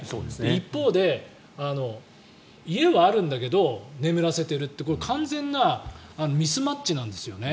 一方で家はあるんだけど眠らせてるっていうこれは完全なミスマッチなんですよね。